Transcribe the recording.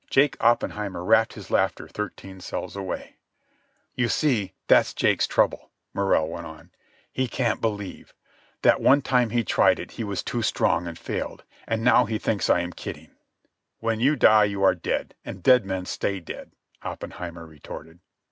Jake Oppenheimer rapped his laughter thirteen cells away. "You see, that's Jake's trouble," Morrell went on. "He can't believe. That one time he tried it he was too strong and failed. And now he thinks I am kidding." "When you die you are dead, and dead men stay dead," Oppenheimer retorted.